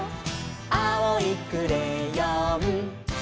「あおいクレヨン」